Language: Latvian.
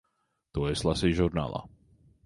To es lasīju žurnālā.